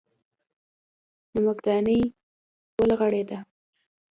نمکدانۍ ورغړېده.